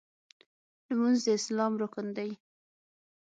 لمونځ د اسلام رکن دی.